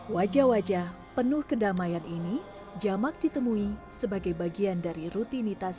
wajah wajah penuh kedamaian ini jamak ditemui sebagai bagian dari rutinitas